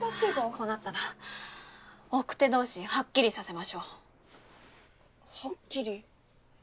こうなったら奥手同士はっきりさせましょう。はっきり？